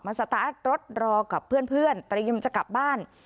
มาสตาร์ทรถรอกับเพื่อนเพื่อนแต่ยังมันจะกลับบ้าน